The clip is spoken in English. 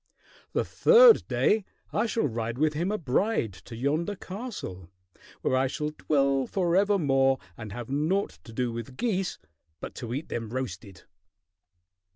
"The third day I shall ride with him a bride to yonder castle, where I shall dwell forevermore and have naught to do with geese but to eat them roasted!"